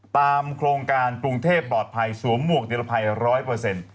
โครงการกรุงเทพปลอดภัยสวมหมวกนิรภัยร้อยเปอร์เซ็นต์